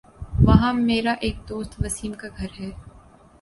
وہاں میر ایک دوست وسیم کا گھر ہے